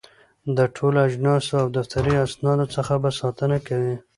د ټولو اجناسو او دفتري اسنادو څخه به ساتنه کوي.